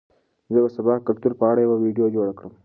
زه به سبا د کلتور په اړه یوه ویډیو جوړه کړم.